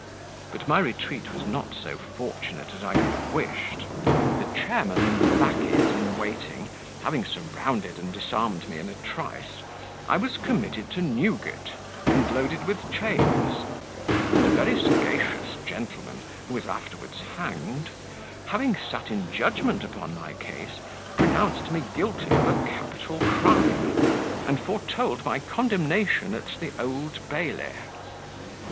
But my retreat was not so fortunate as I could have wished. The chairman and lacqueys in waiting having surrounded and disarmed me in a trice, I was committed to Newgate, and loaded with chains; and a very sagacious gentleman, who was afterwards hanged, having sat in judgment upon my case, pronounced me guilty of a capital crime, and foretold my condemnation at the Old Bailey.